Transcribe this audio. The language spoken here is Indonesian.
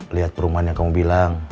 lihat perumahan yang kamu bilang